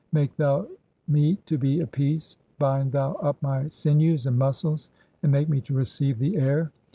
"Make thou me to be at peace, bind thou up my sinews and "muscles, and make me to receive the (3i) air.